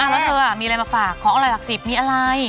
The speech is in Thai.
แล้วเธอมีอะไรมาฝากของอร่อยหลักสิบมีอะไร